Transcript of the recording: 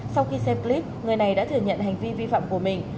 sau khi xem clip người này đã thừa nhận hành vi vi phạm của mình